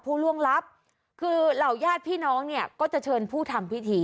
ผู้ล่วงลับคือเหล่าญาติพี่น้องเนี่ยก็จะเชิญผู้ทำพิธี